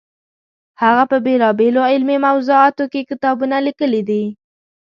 هغه په بېلابېلو علمي موضوعاتو کې کتابونه لیکلي دي.